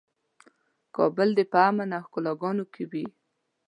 کابل دې په امن او ښکلاګانو کې وي.